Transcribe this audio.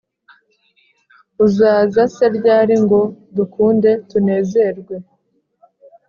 uzaza se ryari ngo dukunde tunezerwe